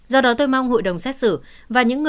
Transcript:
do đó tôi mong hội đồng xét xử